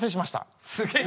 すげえ！